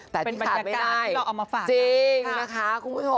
เป็นบรรยากาศที่เราเอามาฝาก